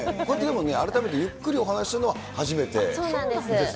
こうして改めて、ゆっくりお話しするのは初めてですね。